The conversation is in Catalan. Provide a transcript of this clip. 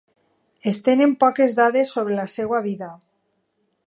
Es tenen poques dades sobre la seva vida.